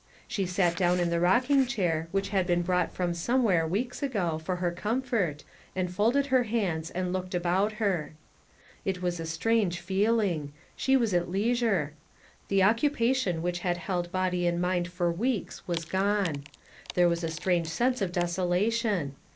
She sat down in the rocking chair, which had been brought from somewhere weeks ago, for her comfort, and folded her hands, and looked about her. It was a strange feeling. She was at leisure. The occupation which had held body and mind for weeks was gone. There was a Strange sense of desolation.